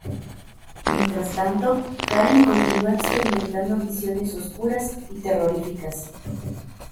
Mientras tanto, Karen continúa experimentando visiones oscuras y terroríficas.